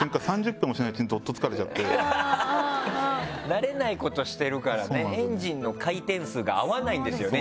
慣れないことしてるからねエンジンの回転数が合わないんですよね